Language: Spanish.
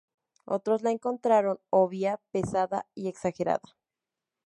Otros la encontraron obvia, pesada y exagerada.